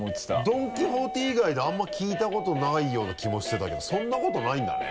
「ドン・キホーテ」以外であんま聴いたことないような気もしてたけどそんなことないんだね。